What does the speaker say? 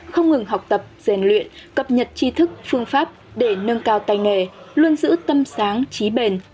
không ngừng học tập rèn luyện cập nhật chi thức phương pháp để nâng cao tay nghề luôn giữ tâm sáng trí bền